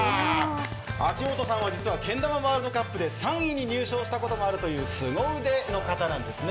秋元さんは実はけん玉ワールドカップで３位に入賞したこともあるというすご腕の方なんですね。